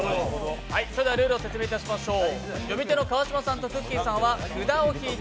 それではルールを説明いたしましょう。